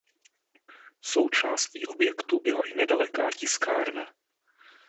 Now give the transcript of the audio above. Součástí objektu byla i nedaleká tiskárna.